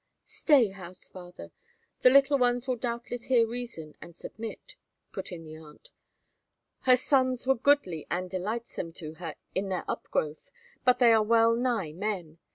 "Stay, house father, the little one will doubtless hear reason and submit," put in the aunt. "Her sons were goodly and delightsome to her in their upgrowth, but they are well nigh men.